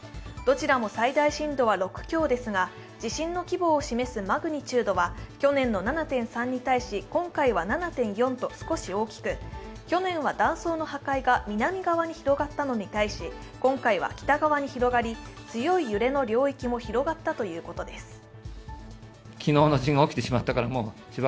どちらも最大震度は６強ですが、地震の規模を示すマグニチュードは去年の７．３に対し、今回は７．４と少し大きく去年は断層の破壊が南側に広がったのに対し今回は北側に広がり、強い揺れの領域も広がったということです。